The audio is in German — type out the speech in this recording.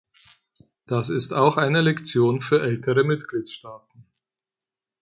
Das ist auch eine Lektion für ältere Mitgliedstaaten.